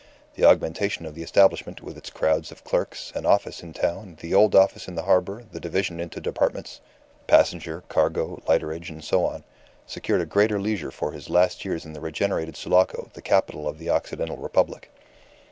The augmentation of the establishment, with its crowds of clerks, an office in town, the old office in the harbour, the division into departments passenger, cargo, lighterage, and so on secured a greater leisure for his last years in the regenerated Sulaco, the capital of the Occidental Republic.